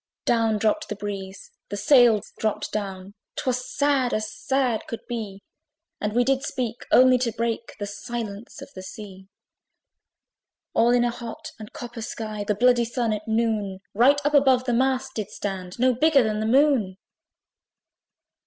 Down dropt the breeze, the sails dropt down, 'Twas sad as sad could be; And we did speak only to break The silence of the sea! All in a hot and copper sky, The bloody Sun, at noon, Right up above the mast did stand, No bigger than the Moon.